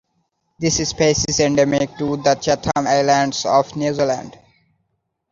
This species is endemic to the Chatham Islands of New Zealand.